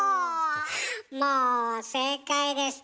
もう正解です。